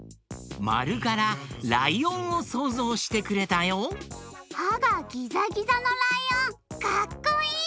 まるからライオンをそうぞうしてくれたよ！はがギザギザのライオンかっこいい！